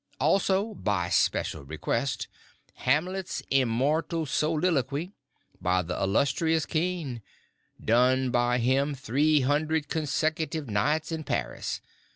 also: (by special request,) Hamlet's Immortal Soliloquy!! By the Illustrious Kean! Done by him 300 consecutive nights in Paris!